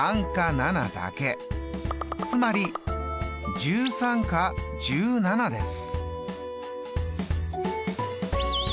つまり１３か１７です。